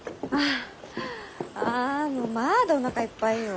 あもうまだおなかいっぱいよ。